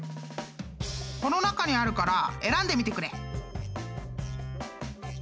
［この中にあるから選んでみてくれ］